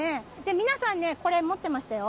皆さんね、これ、持ってましたよ。